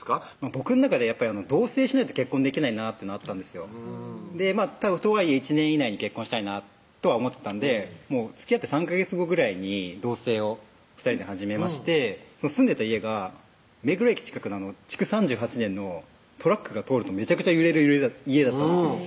僕の中でやっぱり同棲しないと結婚できないなっていうのあったんですよとはいえ１年以内に結婚したいなとは思ってたんでつきあって３ヵ月後ぐらいに同棲を２人で始めまして住んでた家が目黒駅近くの築３８年のトラックが通るとめちゃくちゃ揺れる家だったんですよ